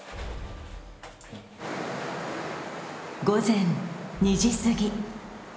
午前２時過ぎ。